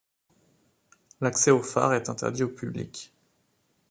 L'accès au phare est interdit au public.